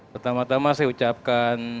pertama tama saya ucapkan